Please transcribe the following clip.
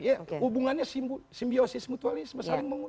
ya hubungannya simbiosis mutualisme saling menguntung